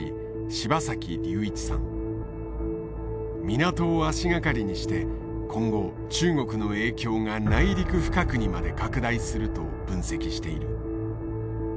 港を足掛かりにして今後中国の影響が内陸深くにまで拡大すると分析している。